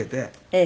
ええ。